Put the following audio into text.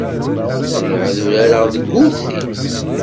Riɣ ad urareɣ deg wurti.